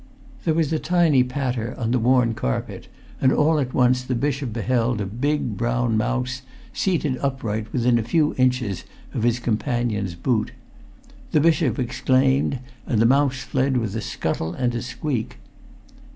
There was a tiny patter on the worn carpet, and[Pg 380] all at once the bishop beheld a big brown mouse seated upright within a few inches of his companion's boot. The bishop exclaimed, and the mouse fled with a scuttle and a squeak.